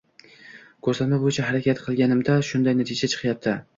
Ko’rsatma bo’yicha harakat qilganimda shunday natija chiqayapti